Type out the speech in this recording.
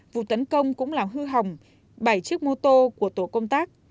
vụ tấn công cũng làm hư hỏng bảy chiếc mô tô của tổ công tác